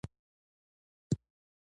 هغه له هند څخه بیت المقدس ته راغلی و.